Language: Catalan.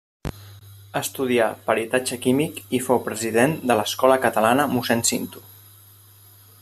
Estudià peritatge químic i fou president de l'Escola Catalana Mossèn Cinto.